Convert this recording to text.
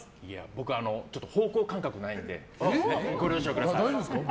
僕、方向感覚がないのでご了承ください。